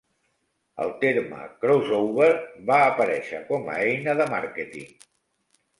El terme "crossover" va aparèixer com a eina de màrqueting.